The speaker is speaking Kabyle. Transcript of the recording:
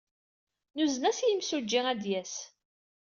Nuzen-as i yimsujji ad d-yas.